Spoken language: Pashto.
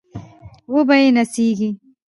وبه يې نڅېږي